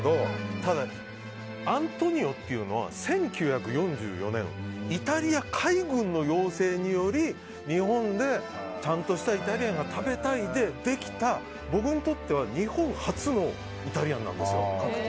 ただ、アントニオというのは１９４４年イタリア海軍の要請により日本でちゃんとしたイタリアンが食べたい、でできた、僕にとっては日本初のイタリアンなんです。